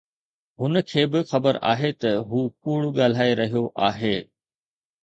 هن کي به خبر آهي ته هو ڪوڙ ڳالهائي رهيو آهي